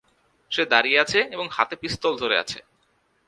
সে দাঁড়িয়ে আছে এবং হাতে পিস্তল ধরে আছে।